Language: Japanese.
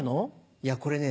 いやこれね